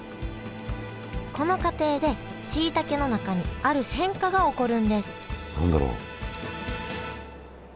この過程でしいたけの中にある変化が起こるんです何だろう？